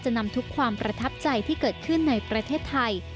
นำทุกความประทับใจที่เกิดขึ้นในประเทศไทย